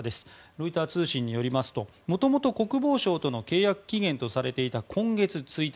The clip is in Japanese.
ロイター通信によりますともともと国防省との契約期限とされていた今月１日。